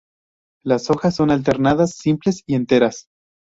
Las hojas son alternadas, simples y enteras.